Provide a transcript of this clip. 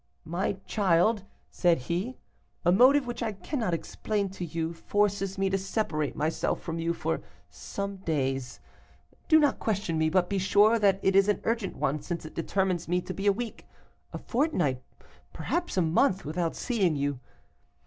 "'My child,' said he, 'a motive which I cannot explain to you, forces me to separate myself from you for some days. Do not question me, but be sure that it is an urgent one, since it determines me to be a week, a fortnight, perhaps a month, without seeing you.